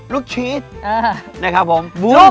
ชีสนะครับผม